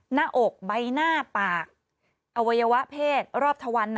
หน้าอกใบหน้าปากอวัยวะเพศรอบทะวัน